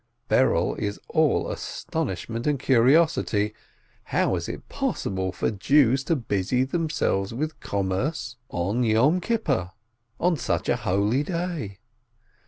Berel is all astonishment and curiosity: how is it possible for Jews to busy themselves with commerce on Yom Kip pur? on such a holy day?